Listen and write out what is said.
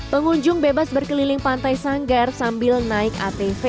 pengunjung bebas berkeliling pantai sanggar sambil naik atv